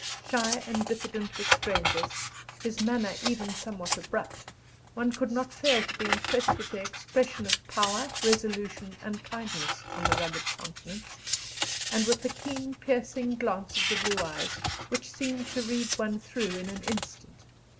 Shy and diffident with strangers, his manner even somewhat abrupt, one could not fail to be impressed with the expression of power, resolution, and kindness, on the rugged countenance, and with the keen, piercing glance of the blue eyes, which seemed to read one through in an instant.